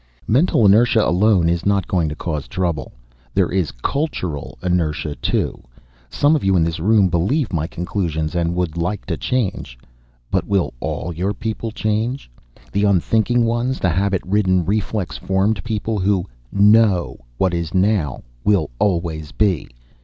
"Mental inertia alone is not going to cause trouble there is cultural inertia, too. Some of you in this room believe my conclusions and would like to change. But will all your people change? The unthinking ones, the habit ridden, reflex formed people who know what is now, will always be.